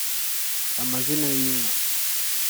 amazina y’inka